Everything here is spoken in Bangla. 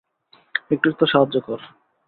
একটু তো সাহায্য কর।